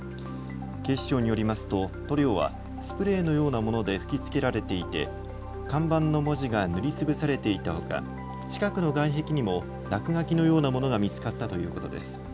警視庁によりますと塗料はスプレーのようなもので吹きつけられていて看板の文字が塗りつぶされていたほか近くの外壁にも落書きのようなものが見つかったということです。